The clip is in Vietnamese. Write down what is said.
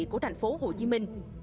của thành phố hồ chí minh